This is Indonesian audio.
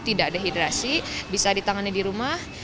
tidak dehidrasi bisa ditangani di rumah